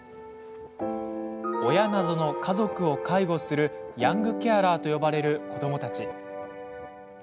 親などの家族を介護するヤングケアラーと呼ばれる子どもたち。